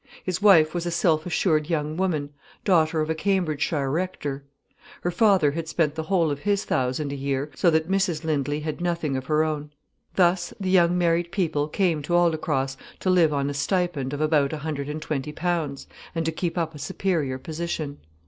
His wife was a self assured young woman, daughter of a Cambridgeshire rector. Her father had spent the whole of his thousand a year, so that Mrs Lindley had nothing of her own. Thus the young married people came to Aldecross to live on a stipend of about a hundred and twenty pounds, and to keep up a superior position.